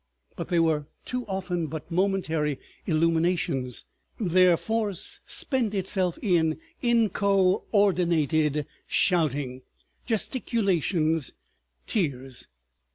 But they were too often but momentary illuminations. Their force spent itself in inco ordinated shouting, gesticulations, tears.